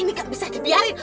ini gak bisa dibiarin